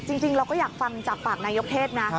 จริงเราก็อยากฟังจากปากนายกเทศนะ